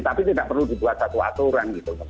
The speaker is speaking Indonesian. tapi tidak perlu dibuat satu aturan gitu untuk saya mbak